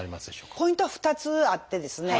ポイントは２つあってですね